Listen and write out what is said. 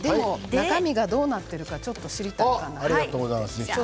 中身がどうなっているか知りたいですよね。